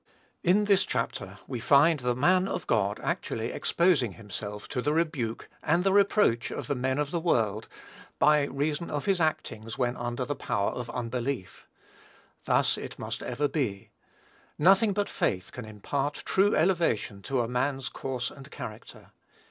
In this chapter we find the man of God actually exposing himself to the rebuke and reproach of the men of the world, by reason of his actings when under the power of unbelief. Thus it must ever be. Nothing but faith can impart true elevation to a man's course and character.